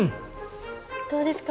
どうですか？